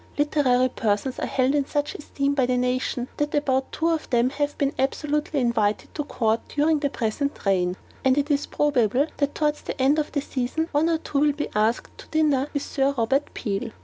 Literary persons are held in such esteem by the nation that about two of them have been absolutely invited to court during the present reign; and it is probable that towards the end of the season, one or two will be asked to dinner by Sir Robert Peel.